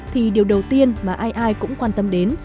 thì điều đầu tiên mà ai ai cũng quan tâm đến